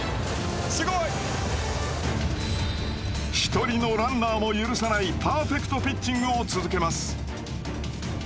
一人のランナーも許さないパーフェクトピッチングを続けます。